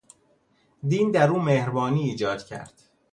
دین در او مهربانی ایجاد کرد.